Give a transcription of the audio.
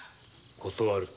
断る。